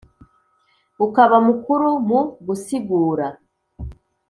ukaba mukuru mu gusigura